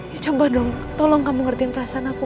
ya coba dong tolong kamu ngertiin perasaan aku